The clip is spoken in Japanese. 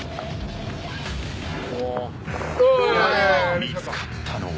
見つかったのは。